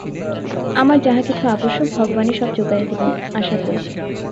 আমার যাহা কিছু আবশ্যক, ভগবানই সব যোগাইয়া দিবেন, আশা করি।